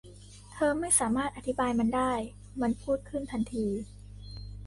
เธอไม่สามารถอธิบายมันได้ มันพูดขึ้นทันที